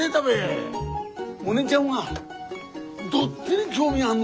モネちゃんはどっちに興味あんの？